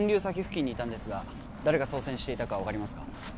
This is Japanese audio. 埼付近にいたんですが誰が操船していたか分かりますか？